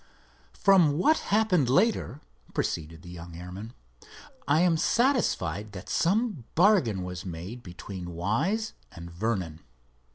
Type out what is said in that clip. "From what happened later," proceeded the young airman, "I am satisfied that some bargain was made between Wise and Vernon.